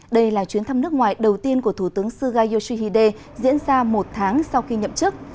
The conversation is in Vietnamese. đây là chuyến thăm nước ngoài đầu tiên của thủ tướng suga yoshihide diễn ra một tháng sau khi nhậm chức